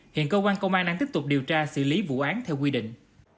hiện cơ quan công an đang tiếp tục điều tra xử lý vụ án theo quy định